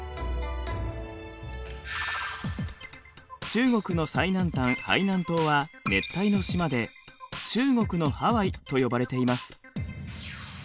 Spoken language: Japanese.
中国の最南端ハイナン島は熱帯の島で中国のハワイと呼ばれています。